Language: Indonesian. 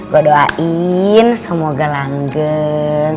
gue doain semoga langgeng